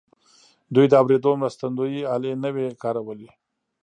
دوی د اورېدو مرستندويي الې نه وې کارولې.